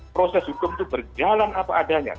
proses hukum itu berjalan apa adanya